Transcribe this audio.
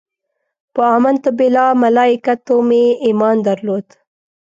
په امنت بالله ملایکته مې ایمان درلود.